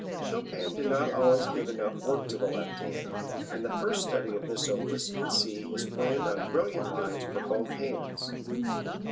Chopin did not always give enough work to the left hand, and the first study of this opus in C is planned on brilliant lines for both hands.